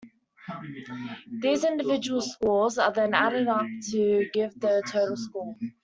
These individual scores are then added up to give the total score.